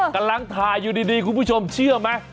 ใกล้หลังทายอยู่ดีคุณผู้ชมเชื่อมั้ย